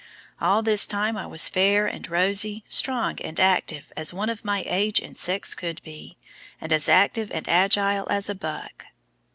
"All this time I was fair and rosy, strong and active as one of my age and sex could be, and as active and agile as a buck."